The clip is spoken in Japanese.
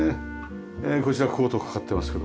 こちらコートかかってますけど。